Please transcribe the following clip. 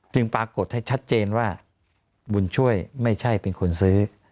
ปรากฏให้ชัดเจนว่าบุญช่วยไม่ใช่เป็นคนซื้อ